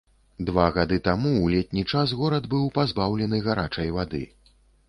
Два гады таму ў летні час горад быў пазбаўлены гарачай вады.